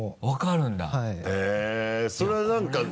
分かるんだ？